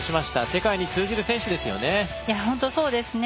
世界に通じる選手ですよね。